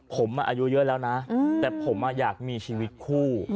ผมอายุเยอะแล้วนะแต่ผมอยากมีชีวิตคู่